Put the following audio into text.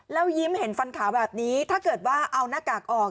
แล้วยิ้มเห็นฟันขาวแบบนี้ถ้าเกิดว่าเอาหน้ากากออก